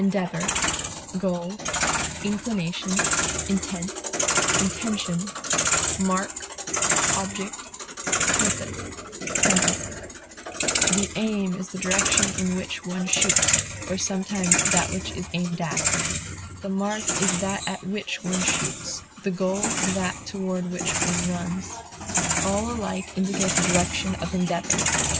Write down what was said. design, goal, mark, determination, inclination, object, end, intent, purpose, The aim is the direction in which one shoots, or sometimes that which is aimed at. The mark is that at which one shoots; the goal, that toward which one runs. All alike indicate the direction of endeavor.